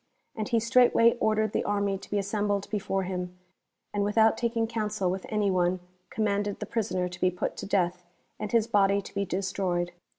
And he straightway ordered the army to be assembled before him, and without taking counsel with any one, commanded the prisoner to be put to death, and his body to be destroyed.